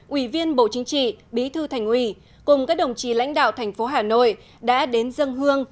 ủy viên bộ chính trị bí thư thành ủy cùng các đồng chí lãnh đạo thành phố hà nội đã đến dân hương